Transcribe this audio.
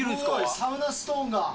サウナストーンが。